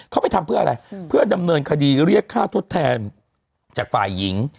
เขาไปทำเพื่ออะไรเพื่อดำเนินคดีเรียกค่าทดแทนจากฝ่ายหญิง